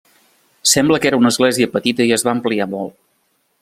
Sembla que era una església petita i es va ampliar molt.